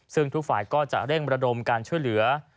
ซึ่งทุกฝ่ายก็จะเร่งระดมการช่วยเหลือ